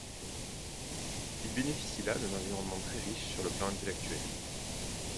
Il bénéficie là d'un environnement très riche sur le plan intellectuel.